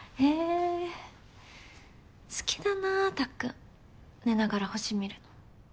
好きだなたっくん寝ながら星見るの。